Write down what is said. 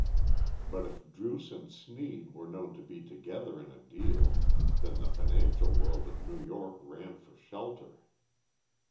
But if Druce and Sneed were known to be together in a deal, then the financial world of New York ran for shelter.